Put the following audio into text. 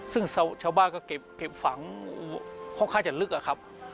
ซึ่งชาวบ้านก็เก็บฝังค่อนข้างจะลึกอะครับ